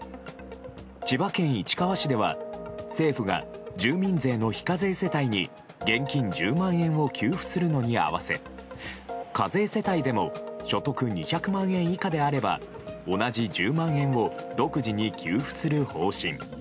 千葉県市川市では政府が住民税の非課税世帯に現金１０万円を給付するのに合わせ課税世帯でも所得２００万円以下であれば同じ１０万円を独自に給付する方針。